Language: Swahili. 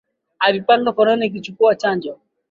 Alipanga foleni kuchukua chanjo